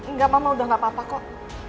nggak mama udah nggak apa apa kok